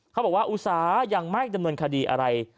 เขาบอกว่าอุตสาหยังไม่ดำเนินคดีอะไร